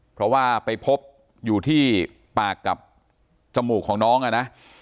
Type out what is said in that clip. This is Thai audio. เพราะว่าไปพบอยู่ที่ปากกับจมูกของน้องอ่ะนะ